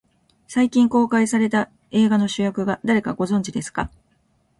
最近公開された映画の主役が誰か、ご存じですか。